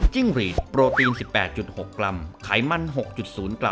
จิ้งหลีดโปรตีน๑๘๖กรัมไขมัน๖๐กรัม